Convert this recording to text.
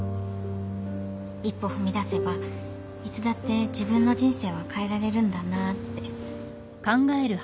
一歩踏み出せばいつだって自分の人生は変えられるんだなって。